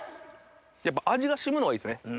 やっぱ味が染むのがいいですね。